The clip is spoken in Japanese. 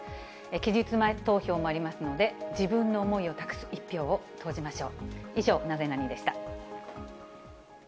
期日前投票もありますので、自分の思いを託す１票を投じましょう。